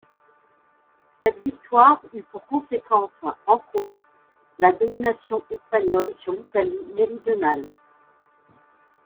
Cette victoire eut pour conséquence, entre autres, la domination espagnole sur l'Italie méridionale.